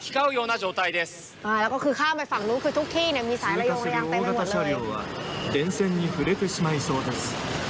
ส่วนข้างล่างทุกที่มีสายระยงอย่างไปไม่หมดเลย